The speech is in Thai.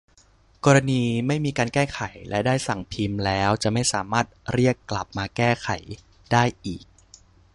กรณีไม่มีการแก้ไขและได้สั่งพิมพ์แล้วจะไม่สามารถเรียกกลับมาแก้ไขได้อีก